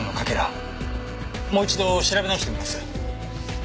もう一度調べ直してみます。